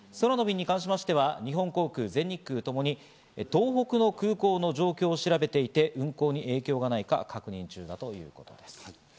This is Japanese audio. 空の便に関しましては日本航空、全日空ともに東北の空港の状況を調べていて運航に影響がないか確認中だということです。